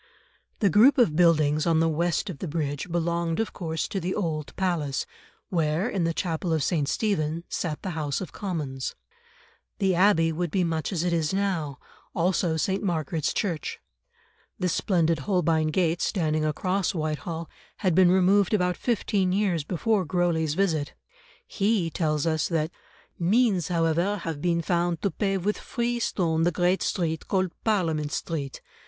The group of buildings on the west of the bridge belonged of course to the old Palace, where, in the chapel of St. Stephen, sat the House of Commons. The Abbey would be much as it is now, also St. Margaret's Church. The splendid Holbein gate standing across Whitehall had been removed about fifteen years before Grosley's visit. He tells us that: "Means, however, have been found to pave with free stone the great street called Parliament Street.